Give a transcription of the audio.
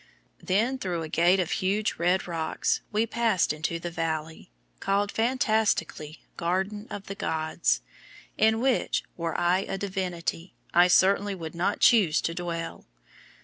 Then through a gate of huge red rocks, we passed into the valley, called fantastically, Garden of the Gods, in which, were I a divinity, I certainly would not choose to dwell.